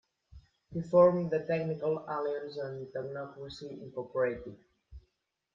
He formed the Technical Alliance and Technocracy Incorporated.